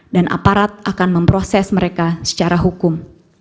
dan aparat akan memproses mereka secara hukum